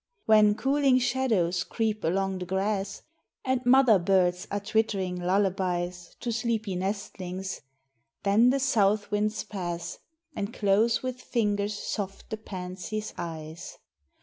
When cooling shadows creep along the grass, And mother birds are twittering lullabies To sleepy nestlings, then the south winds pass, And close with fingers soft the pansies' eyes.